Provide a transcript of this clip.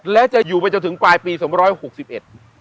และจะอยู่ไปจนถึงปลายปีสองร้อยหกสิบเอ็ด